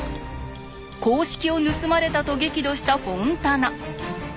公式を盗まれたと激怒したフォンタナ。